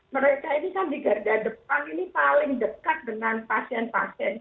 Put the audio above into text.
mereka ini kan di garda depan ini paling dekat dengan pasien pasien